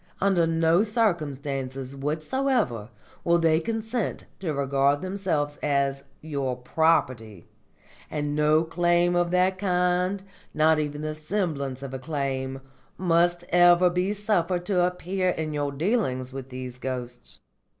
Under no circumstances whatsoever will they consent to regard themselves as your property, and no claim of that kind, nor even the semblance of a claim, must ever be suffered to appear in your dealings with these ghosts.